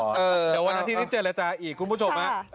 หลีกว่าวันนาทีที่เจรัจาอีกคุณผู้ชมอ่ะ